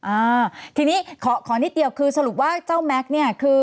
อ่าทีนี้ขอขอนิดเดียวคือสรุปว่าเจ้าแม็กซ์เนี่ยคือ